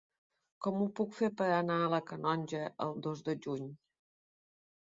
Com ho puc fer per anar a la Canonja el dos de juny?